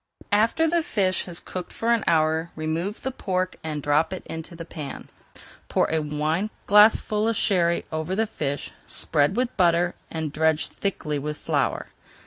After the fish has cooked for an hour, remove the pork, and drop it into the pan. Pour a wineglassful of Sherry over the fish, spread with butter, and dredge thickly with flour.